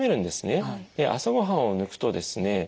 で朝ご飯を抜くとですね